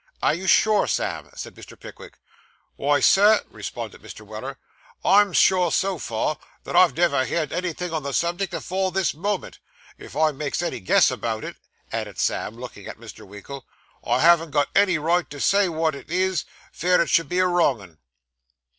'Are you sure, Sam?' said Mr. Pickwick. 'Wy, sir,' responded Mr. Weller; 'I'm sure so far, that I've never heerd anythin' on the subject afore this moment. If I makes any guess about it,' added Sam, looking at Mr. Winkle, 'I haven't got any right to say what it is, 'fear it should be a wrong 'un.